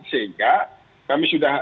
sehingga kami sudah